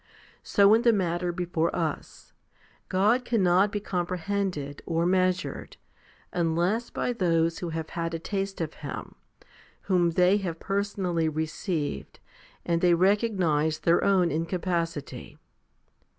So in the matter before us, God cannot be comprehended or measured, unless by those who have had a taste of Llim, whom they have personally received, and they recognise their own incapacity.